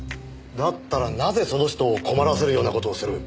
だったらなぜその人を困らせるような事をする？